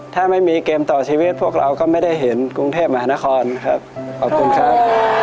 ถ้าไม่มีเกมต่อชีวิตพวกเราก็ไม่ได้เห็นกรุงเทพมหานครครับขอบคุณครับ